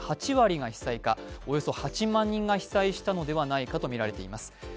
８割が被災か、およそ８万人が被災したのではないかとみられています。